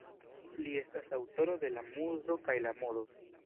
Li estas aŭtoro de ""La Muzo kaj la Modo"".